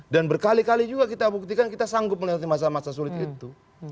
dan berkali kali juga kita buktikan kita sanggup melihat masa masa sulit itu